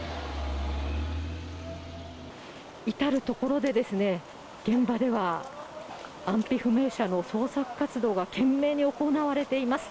至る所でですね、現場では安否不明者の捜索活動が懸命に行われています。